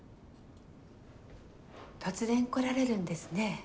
突然来られるんですね。